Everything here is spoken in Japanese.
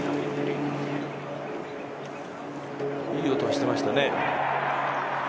いい音はしていましたね。